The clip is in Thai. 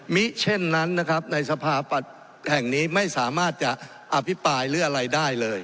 มิเช่นนั้นนะครับในสภาแห่งนี้ไม่สามารถจะอภิปรายหรืออะไรได้เลย